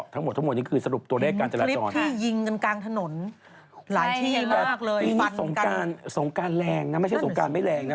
ทั้งหมดทั้งหมดนี้คือสรุปตัวเลขการจราจรที่ยิงกันกลางถนนหลายที่มากปีนี้สงการสงการแรงนะไม่ใช่สงการไม่แรงนะ